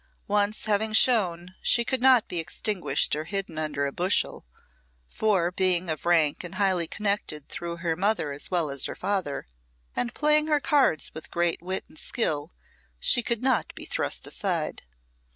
Once having shone, she could not be extinguished or hidden under a bushel; for, being of rank and highly connected through mother as well as father, and playing her cards with great wit and skill, she could not be thrust aside.